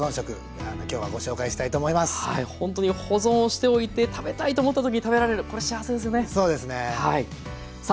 ほんとに保存をしておいて食べたいと思った時に食べられるこれ幸せですよね。